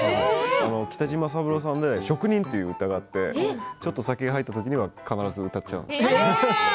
北島三郎さんの「職人」という歌があってちょっとお酒が入った時には必ず歌っちゃう。